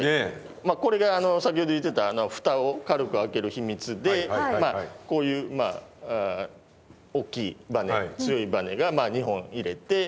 これが先ほど言ってたふたを軽く開ける秘密でこういう大きいバネ強いバネが２本入れて。